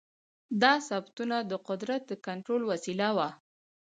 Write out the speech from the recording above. دا ثبتونه د قدرت د کنټرول وسیله وه.